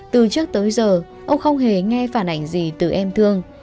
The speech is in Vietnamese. từ trước tới giờ ông không hề nghe phản ảnh gì từ em thương